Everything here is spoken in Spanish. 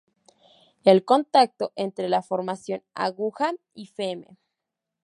El contacto entre la formación Aguja y Fm.